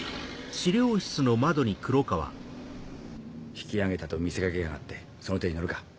引き揚げたと見せかけやがってその手に乗るか。